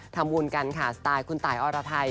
ทำบุญกันค่ะสไตล์คุณตายอรไทย